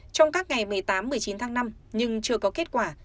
trong các ngày một mươi tám một mươi chín tháng năm nhưng chưa có kết quả